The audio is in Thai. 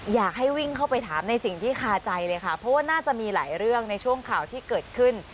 อยากให้วิ่งเข้าไปถามในสิ่งที่คาใจเลยค่ะเพราะว่าน่าจะมีหลายเรื่องในช่วงข่าวที่เกิดขึ้น